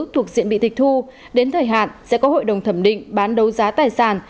thuộc diện bị tịch thu đến thời hạn sẽ có hội đồng thẩm định bán đấu giá tài sản